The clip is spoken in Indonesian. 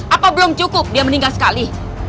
apa belum cukup dia meninggal sekali